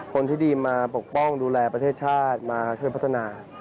คนที่ดีมาปกป้องดูแลประเทศชาติมาช่วยพัฒนา